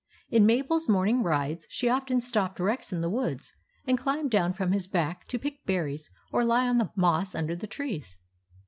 In Mabels morning rides she often stopped Rex in the woods and climbed down from his back, to pick berries or lie on the moss under the trees.